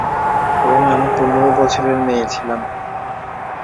এবং, আমি পনেরো বছরের মেয়ে ছিলাম।